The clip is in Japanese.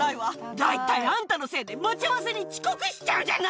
大体、あんたのせいで待ち合わせに遅刻しちゃうじゃない！